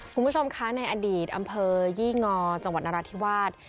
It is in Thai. คุณผู้ชมคะในอดีตอำเภอยี่งอจังหวัดนราธิวาส